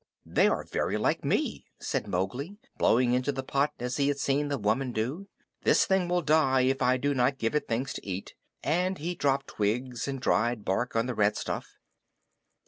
"They are very like me," said Mowgli, blowing into the pot as he had seen the woman do. "This thing will die if I do not give it things to eat"; and he dropped twigs and dried bark on the red stuff.